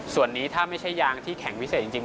ส่วนนี้ถ้าไม่ใช่ยางที่แข็งพิเศษจริง